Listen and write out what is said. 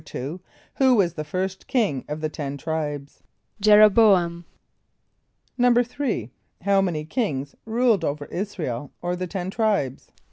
= Who was the first king of the Ten Tribes? =J[)e]r o b[=o]´am.= =3.= How many kings ruled over [)I][s+]´ra el or the Ten Tribes?